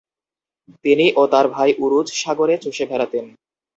তিনি ও তার ভাই উরুচ সাগরে চষে বেড়াতেন।